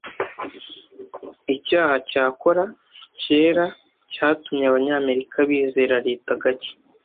Icyaha cya cola cyera cyatumye abanyamerika bizera leta gake.